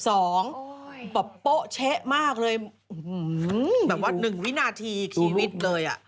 โอ๊ยปะโป๊ะเช๊ะมากเลยอื้อหือแบบว่า๑วินาทีชีวิตเลยอ่ะ